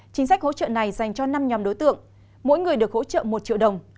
chính sách hỗ trợ này dành cho năm nhóm đối tượng mỗi người được hỗ trợ một triệu đồng